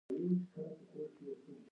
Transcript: غوسه څنګه کنټرول کړو؟